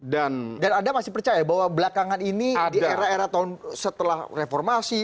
dan ada masih percaya bahwa belakangan ini di era era tahun setelah reformasi